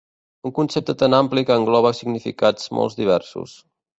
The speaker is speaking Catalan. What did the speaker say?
Un concepte tan ampli que engloba significats molt diversos.